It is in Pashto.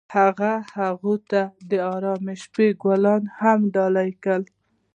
هغه هغې ته د آرام شپه ګلان ډالۍ هم کړل.